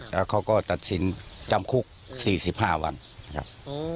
แล้วเขาก็ตัดสินจำคุก๔๕วันครับ